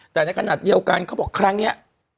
แต่ในขณะเดียวกันเขาบอกครั้งนี้